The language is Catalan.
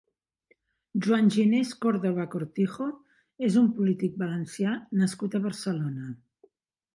Juan Ginés Córdoba Cortijo és un polític valencià nascut a Barcelona.